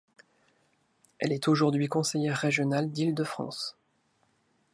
Elle est aujourd'hui Conseillère régionale d'Ile-de-France.